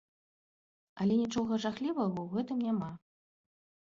Але нічога жахлівага ў гэтым няма.